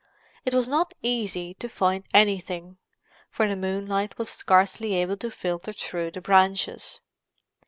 It was not easy to find anything, for the moonlight was scarcely able to filter through the branches.